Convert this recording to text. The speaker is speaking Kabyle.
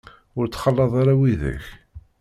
Ur ttxalaḍ ara widak.